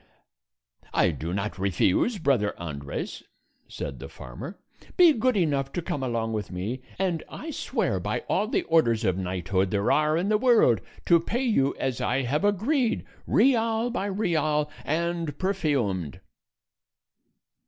"I do not refuse, brother Andres," said the farmer; "be good enough to come along with me, and I swear by all the orders of knighthood there are in the world to pay you as I have agreed, real by real, and perfumed."